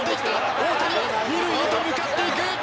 大谷は二塁へと向かっていく。